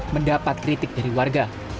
mendapat kritik dari warga